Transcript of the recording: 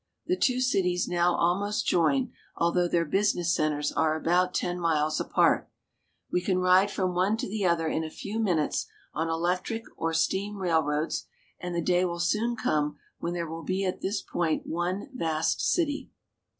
The two cities now almost join, although their business centers are about ten" miles apart. We can ride from one to the other in a few minutes on electric or steam railroads, and the day will soon come when there will be at this point one vast city.